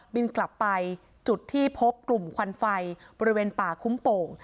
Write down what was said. บินกลับไปจุดที่พบกลุ่มควันไฟบริเวณป่าคุ้มโป่ง